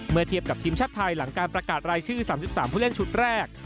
เทียบกับทีมชาติไทยหลังการประกาศรายชื่อ๓๓ผู้เล่นชุดแรก